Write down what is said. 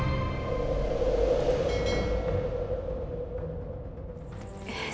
kanur juga pergi